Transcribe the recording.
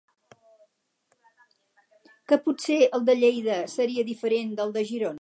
Que potser el de Lleida seria diferent del de Girona?